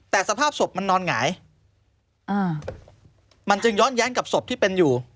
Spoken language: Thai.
แต่สภาพศพมันนอนหงายอ่ามันจึงย้อนแย้งกับศพที่เป็นอยู่